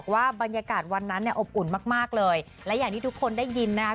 ว่าบรรยากาศวันนั้นเนี่ยอบอุ่นมากมากเลยและอย่างที่ทุกคนได้ยินนะครับ